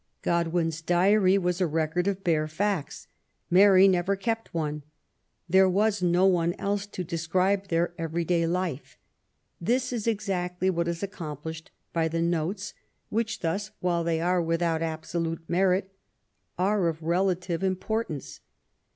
Godwin's diary was a record of bare facts. Mary never kept one. There was no one else to describe their every day life. This is exactly what is accomplished by the notes, which thus, while thev are without absolute merit, are of relative importance.